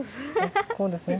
こうですね。